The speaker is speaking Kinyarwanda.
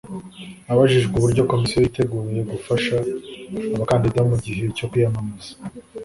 Abajijwe uburyo Komisiyo yiteguye gufasha abakandida mu gihe cyo kwiyamamaza